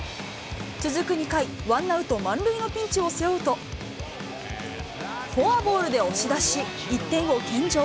続く２回、ワンアウト満塁のピンチを背負うと、フォアボールで押し出し、１点を献上。